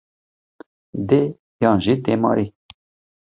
Dê yan jî dêmarî?